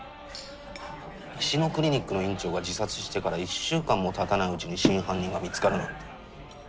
石野クリニックの院長が自殺してから１週間もたたないうちに真犯人が見つかるなんて。